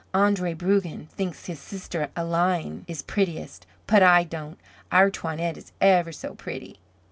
Andre Brugen thinks his sister Aline is prettiest, but I don't. Our Toinette is ever so pretty."